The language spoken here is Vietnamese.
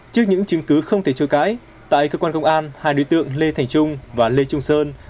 trước những chứng cứ không thể chối cãi tại cơ quan công an hai đối tượng lê thành trung và lê trung sơn